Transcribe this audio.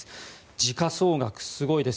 時価総額、すごいです。